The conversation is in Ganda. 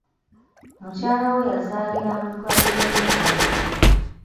Mukyala we yazaalira mu ddwaliro ly'e Mulago.